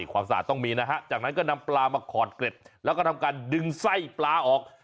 ความสะอาดต้องมีนะฮะจากนั้นก็นำปลามาขอดเกร็ดแล้วก็ทำการดึงไส้ปลาออก